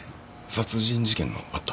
殺人事件のあった？